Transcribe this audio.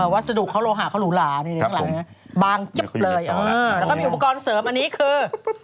วัสดุคอโลหะคอหรูหราบางเจ็บเลยแล้วก็มีอุปกรณ์เสริมอันนี้คือ